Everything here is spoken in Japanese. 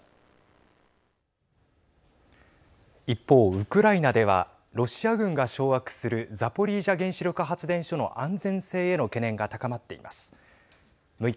一方、ウクライナではロシア軍が掌握するザポリージャ原子力発電所の安全性への懸念が高まっています。